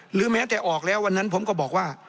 หรือแม้แต่ออกแล้ววันนั้นผมก็บอกว่า